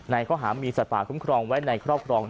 ข้อหามีสัตว์ป่าคุ้มครองไว้ในครอบครอง